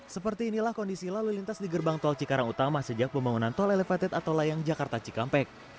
seperti inilah kondisi lalu lintas di gerbang tol cikarang utama sejak pembangunan tol elevated atau layang jakarta cikampek